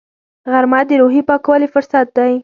غرمه د روحي پاکوالي فرصت دی